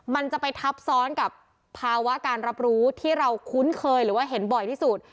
มันจะไปทับซ้อนกับภาวะการรับรู้ที่เราคุ้นเคยหรือว่าเห็นบ่อยที่สุด